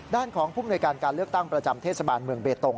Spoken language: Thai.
ด้านของผู้มนวยการการเลือกตั้งประจำเทศบาลเมืองเบตง